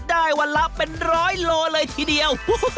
ได้วันละเป็น๑๐๐กิโลเมตรเลยทีเดียว